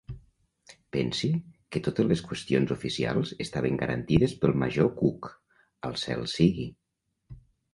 Pensi que totes les qüestions oficials estaven garantides pel major Cook, al cel sigui.